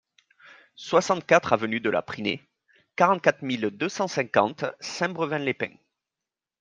soixante-quatre avenue de la Prinais, quarante-quatre mille deux cent cinquante Saint-Brevin-les-Pins